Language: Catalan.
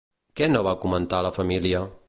Què no va comentar a la família?